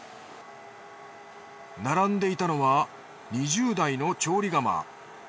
並んでいたのは２０台の調理釜。